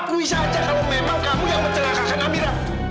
aku saja yang membebalkan kamu yang mencelakakan amira